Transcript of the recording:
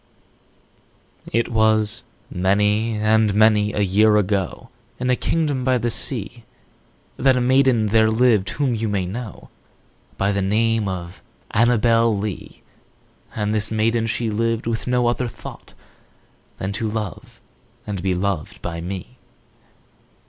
5 It was many and many a year ago, In a kingdom by the sea, That a maiden there lived whom you may know By the name of ANNABEL LEE; And this maiden she lived with no other thought Than to love and be loved by me.